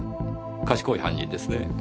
賢い犯人ですねぇ。